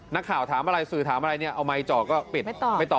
นักข่าวถามอะไรสื่อถามอะไรเนี่ยเอาไมค์เจาะก็ปิดไม่ตอบ